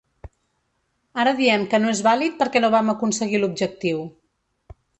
Ara diem que no és vàlid perquè no vam aconseguir l’objectiu.